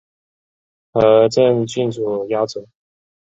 和政郡主夭折。